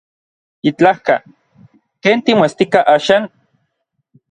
Yitlajka. ¿Ken timoestika axan?